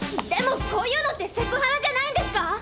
でもこういうのってセクハラじゃないんですか？